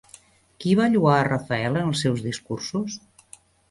Qui va lloar a Rafael en els seus Discursos?